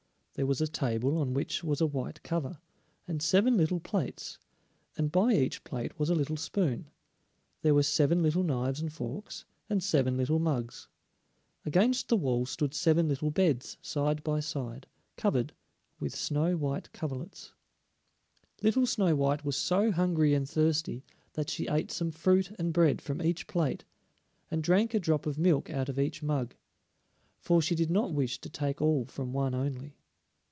There was a table on which was a white cover, and seven little plates, and by each plate was a little spoon; there were seven little knives and forks, and seven little mugs. Against the wall stood seven little beds side by side, covered with snow white coverlets. Little Snow white was so hungry and thirsty that she ate some fruit and bread from each plate, and drank a drop of milk out of each mug, for she did not wish to take all from one only.